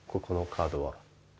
このカードは。